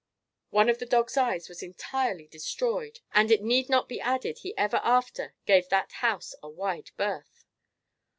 One of the dog's eyes was entirely destroyed; and it need not be added he ever after gave that house a wide berth.